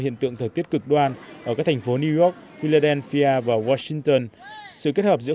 hiện tượng thời tiết cực đoan ở các thành phố new york philadelphia và washington sự kết hợp giữa